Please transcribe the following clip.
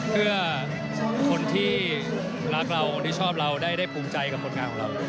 เพื่อคนที่รักเราคนที่ชอบเราได้ภูมิใจกับผลงานของเรา